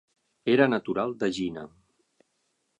Era natural d'Egina.